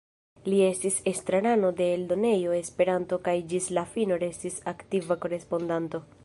Li estis estrarano de Eldonejo Esperanto kaj ĝis la fino restis aktiva korespondanto.